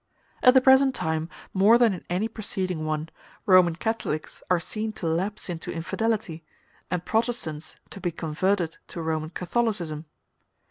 At the present time, more than in any preceding one, Roman Catholics are seen to lapse into infidelity, and Protestants to be converted to Roman Catholicism.